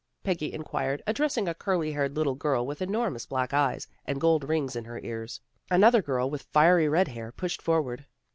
" Peggy inquired, addressing a curly haired little girl with enormous black eyes, and gold rings in her ears. Another girl, with fiery red hair, pushed forward.